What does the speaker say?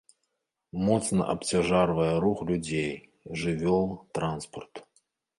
Моцна абцяжарвае рух людзей, жывёл, транспарту.